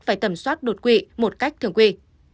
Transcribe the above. phải tầm soát đột quỵ một cách thường quy